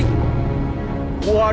gua udah lapar